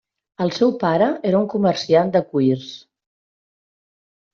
El seu pare era un comerciant de cuirs.